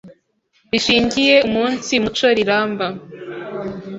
rishingiye umunsi muco riramba.